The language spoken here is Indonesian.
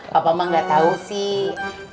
papa mah gak tau sih